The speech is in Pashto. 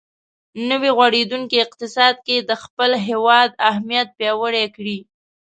نوی غوړېدونکی اقتصاد کې د خپل هېواد اهمیت پیاوړی کړي.